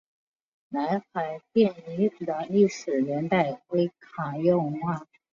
南海殿遗址的历史年代为卡约文化。